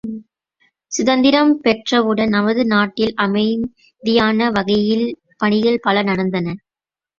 சுதந்திரம் பெற்றவுடன் நமது நாட்டில் அமைதியான வகையில் பணிகள் பல நடந்தன.